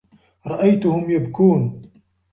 رأيتهم يبكون.